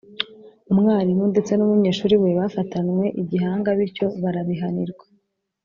umwarimu ndetse n’umunyeshuri we bafatanwe igihanga bityo barabihanirwa